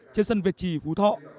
trên sân việt trì phú thọ